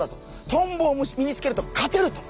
トンボを身につけると勝てると。